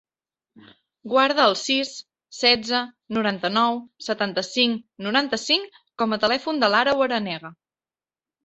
Guarda el sis, setze, noranta-nou, setanta-cinc, noranta-cinc com a telèfon de l'Àreu Aranega.